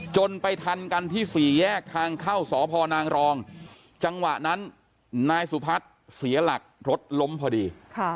จนไปทันกันที่สี่แยกทางเข้าสพนางรองจังหวะนั้นนายสุพัฒน์เสียหลักรถล้มพอดี